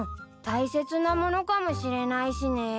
大切なものかもしれないしね。